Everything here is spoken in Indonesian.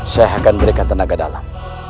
sheikh akan memberikan tenaga dalam